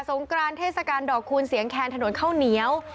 งกรานเทศกาลดอกคูณเสียงแคนถนนข้าวเหนียว